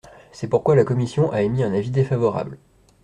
C’est pourquoi la commission a émis un avis défavorable.